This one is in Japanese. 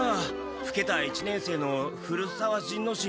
ふけた一年生の古沢仁之進。